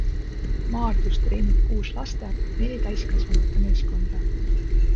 Maardus treenib kuus laste ja neli täiskasvanute meeskonda.